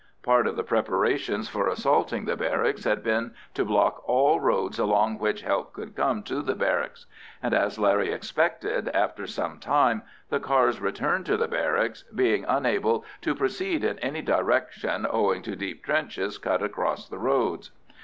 Part of the preparations for assaulting the barracks had been to block all roads along which help could come to the barracks; and, as Larry expected, after some time the cars returned to the barracks, being unable to proceed in any direction owing to deep trenches cut across the roads.